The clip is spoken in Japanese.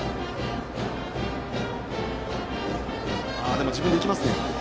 でも自分で行きますね。